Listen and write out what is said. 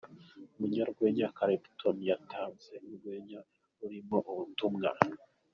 Umunyarwenya Clapton yatanze urwenya rurimo ubutumwa.